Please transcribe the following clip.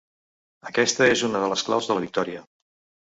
Aquesta és una de les claus de la victòria.